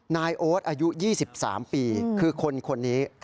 นายโอ๊ตอายุ๒๓ปีคือคนนี้